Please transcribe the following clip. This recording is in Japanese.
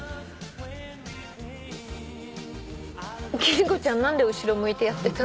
貴理子ちゃん何で後ろ向いてやってたの？